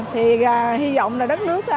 thì hy vọng là đất nước